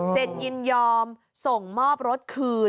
ยินยอมส่งมอบรถคืน